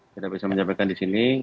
tidak bisa menyampaikan di sini